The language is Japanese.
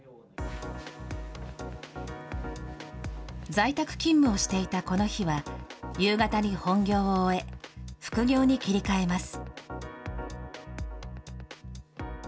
在宅勤務をしていたこの日は、夕方に本業を終え、副業に切り替えます。